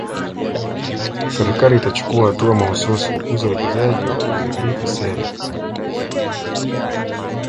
Serikali itachukua hatua mahsusi kukuza uwekezaji kwa kuzihakiki sera